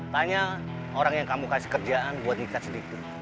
tanya orang yang kamu kasih kerjaan buat nikah si dik dik